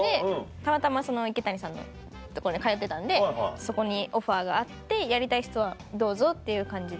たまたま池谷さんの所に通ってたんでそこにオファーがあってやりたい人はどうぞって感じで。